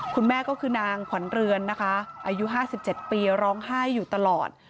คุณแม่ก็คือนางขวัญเรือนนะคะอายุ๕๗ปีร้องไห้อยู่ตลอด